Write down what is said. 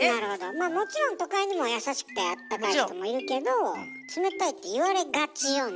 まあもちろん都会にも優しくてあったかい人もいるけど冷たいっていわれがちよね。